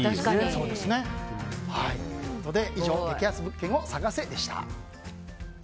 以上、激安物件を探せ！でした。